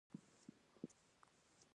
د هډوکو کلکوالی د همدې توکو له کبله دی.